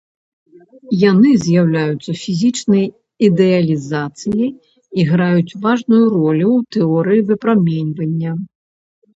Яны з'яўляюцца фізічнай ідэалізацыяй і граюць важную ролю ў тэорыі выпраменьвання.